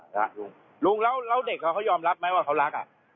อเจมส์ลุงแล้วเด็กเขายอมรับไหมว่าเขารัก